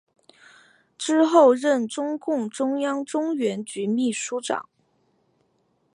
之后任中共中央中原局秘书长。